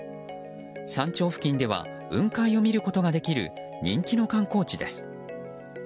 山頂付近では雲海を見ることができる人気の観光地です。